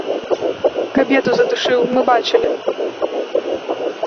Кабету задушыў, мы бачылі!